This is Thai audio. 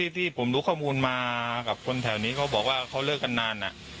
ที่ผมรู้ข้อมูลมากับคนแถวนี้เขาบอกว่าเขาเลิกกันนาน